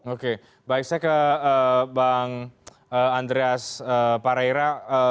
oke baik saya ke bang andreas pareira